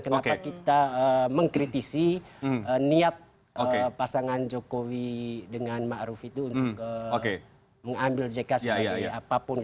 kenapa kita mengkritisi niat pasangan jokowi dengan ma'ruf itu untuk mengambil jk sebagai apapun